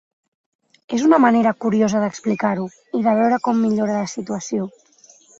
És una manera curiosa d’explicar-ho i de veure com millora la situació.